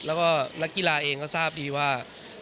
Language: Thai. แล้วก็นักกีฬาเองก็ทราบดีว่า